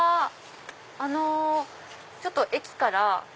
あのちょっと駅から。